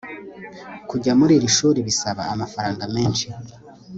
kujya muri iri shuri bisaba amafaranga menshi